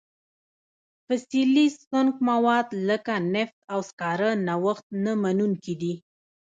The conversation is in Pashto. فسیلي سونګ مواد لکه نفت او سکاره نوښت نه منونکي دي.